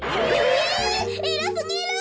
えらすぎる！